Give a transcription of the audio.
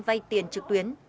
vay tiền trực tuyến